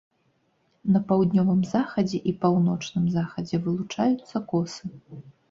На паўднёвым захадзе і паўночным захадзе вылучаюцца косы.